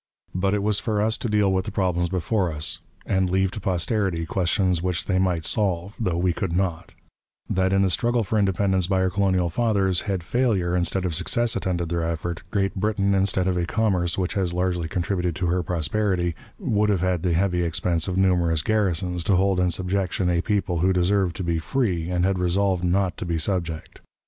But it was for us to deal with the problems before us, and leave to posterity questions which they might solve, though we could not; that, in the struggle for independence by our colonial fathers, had failure instead of success attended their effort, Great Britain, instead of a commerce which has largely contributed to her prosperity, would have had the heavy expense of numerous garrisons, to hold in subjection a people who deserved to be free and had resolved not to be subject.